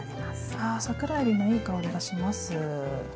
あ桜えびのいい香りがします。